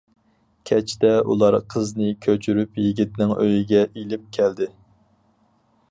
كەچتە ئۇلار قىزنى كۆچۈرۈپ يىگىتنىڭ ئۆيىگە ئىلىپ كەلدى.